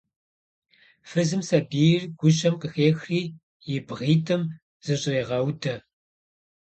Фызым сабийр гущэм къыхехри, и бгъитӏым зыщӏрегъэудэ.